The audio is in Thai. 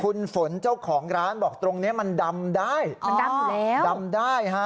คุณฝนเจ้าของร้านบอกตรงเนี้ยมันดำได้มันดำอยู่แล้วดำได้ฮะ